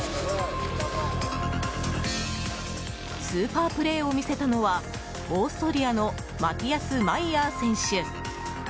スーパープレーを見せたのはオーストリアのマティアス・マイヤー選手。